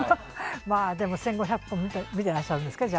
じゃあ、１５００本見てらっしゃるんですか？